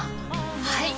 はい！